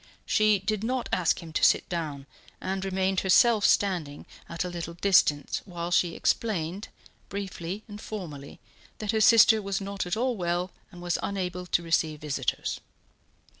She did not ask him to sit down, and remained herself standing at a little distance while she explained, briefly and formally, that her sister was not at all well, and was unable to receive visitors.